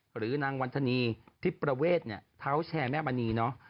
หรือนางวรรษณีย์ที่ประเวทเท้าแชร์แม่มะนีเนอะ